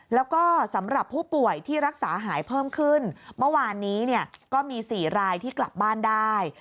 แล้วก็สำหรับผู้ป่วยที่รักษาหายเพิ่มขึ้นเมื่อวานนี้เนี่ยก็มี๔รายที่กลับบ้านได้